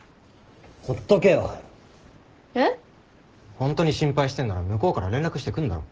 ホントに心配してんなら向こうから連絡してくんだろ。